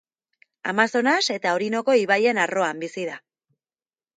Amazonas eta Orinoko ibaien arroan bizi da.